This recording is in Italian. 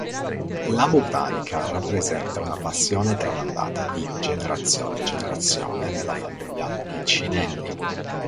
La botanica rappresenta una passione tramandata di generazione in generazione nella famiglia Piccinelli.